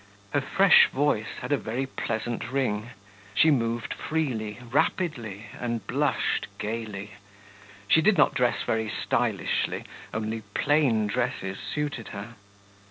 Her fresh voice had a very pleasant ring; she moved freely, rapidly, and blushed gaily. She did not dress very stylishly, only plain dresses suited her.